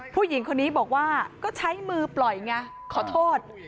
ผู้หญิงคนนี้บอกว่าก็ใช้มือปล่อยไงขอโทษ